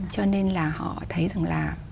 cho nên là họ thấy rằng là